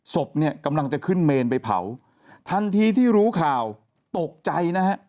ศพเนี่ยกำลังจะขึ้นเมนไปเผาทันทีที่รู้ข่าวตกใจนะฮะ